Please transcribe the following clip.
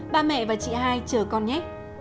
ba mẹ và chị hai chờ con nhé